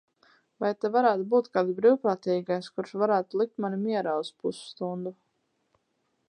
Vai te varētu būt kāds brīvprātīgais, kurš varētu likt mani mierā uz pusstundu?